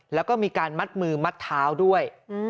แล้วก็มีการมัดมือมัดเท้าด้วย